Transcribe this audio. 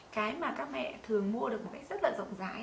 cái mà các mẹ thường mua được một cách rất là rộng rãi